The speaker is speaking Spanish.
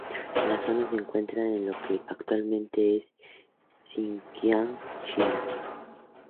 La zona se encuentra en lo que actualmente es Sinkiang, China.